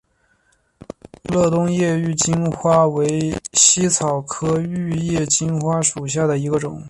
乐东玉叶金花为茜草科玉叶金花属下的一个种。